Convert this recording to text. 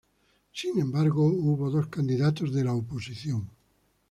Sin embargo, hubo dos candidatos de la oposición.